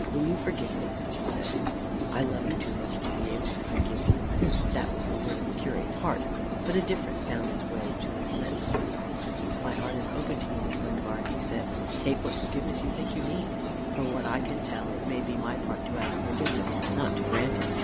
Will you forgive me?" she said. "I love you too much to be able to forgive you:" that was the word in the curate's heart, but a different found its way to his lips. "My heart is open to you, Miss Lingard," he said: "take what forgiveness you think you need. For what I can tell, it may be my part to ask forgiveness, not to grant it.